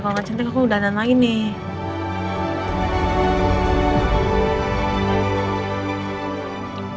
kalau gak cantik aku udah nan lagi nih